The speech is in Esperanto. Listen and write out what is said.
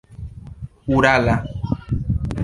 urala